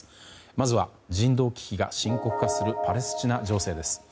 まずは、人道危機が深刻化するパレスチナ情勢です。